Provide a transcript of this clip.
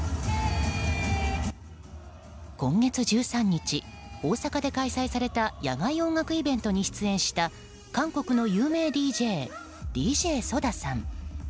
今月１３日、大阪で開催された野外音楽イベントに出演した韓国の有名ＤＪＤＪＳＯＤＡさん。